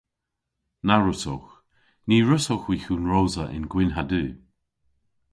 Na wrussowgh. Ny wrussowgh hwi hunrosa yn gwynn ha du!